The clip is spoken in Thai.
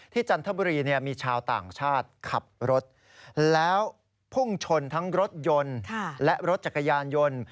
จันทบุรีมีชาวต่างชาติขับรถแล้วพุ่งชนทั้งรถยนต์และรถจักรยานยนต์